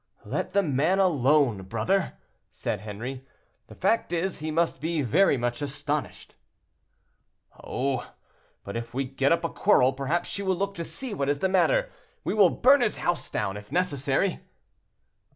"Let the man alone, brother," said Henri, "the fact is, he must be very much astonished." "Oh! but if we get up a quarrel, perhaps she will look to see what is the matter; we will burn his house down, if necessary."